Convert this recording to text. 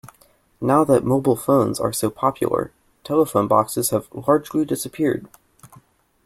Now that mobile phones are so popular, telephone boxes have largely disappeared